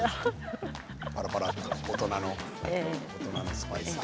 パラパラと大人のスパイスを。